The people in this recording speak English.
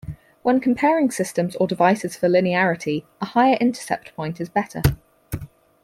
When comparing systems or devices for linearity, a higher intercept point is better.